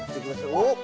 おっ！